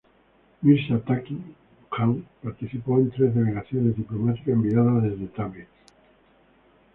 Mirza Taqi Jan participó en tres delegaciones diplomáticas enviadas desde Tabriz.